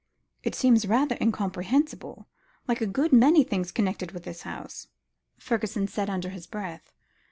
"It seems rather incomprehensible, like a good many things connected with this house," Fergusson said, under his breath.